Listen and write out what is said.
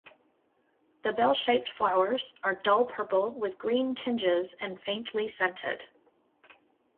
The bell-shaped flowers are dull purple with green tinges and faintly scented.